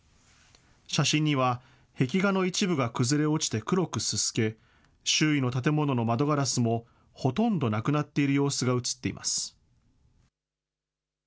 写真には、壁画の一部が崩れ落ちて黒くすすけ、周囲の建物の窓ガラスもほとんどなくなっている様子が写っています。